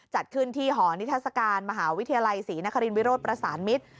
จัดขึ้นที่หอนิทัศกาลมหาวิทยาลัยศรีนครินวิโรธประสานมิตร